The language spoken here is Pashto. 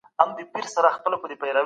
تاسي باید د خپل سرلوړي دپاره هڅه وکئ.